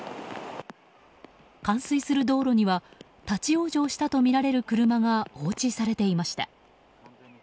冠水する道路には立ち往生したとみられる車が放置されていました。